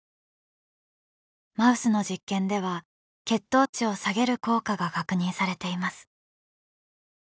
マウスの実験では血糖値を下げる効果が確認されています。